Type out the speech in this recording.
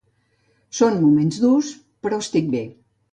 Són moments durs però estic bé.